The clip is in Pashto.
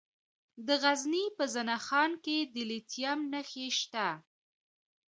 د غزني په زنه خان کې د لیتیم نښې شته.